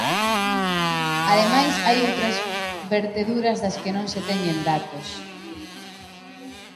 Ademais, hai outras verteduras das que non se teñen datos.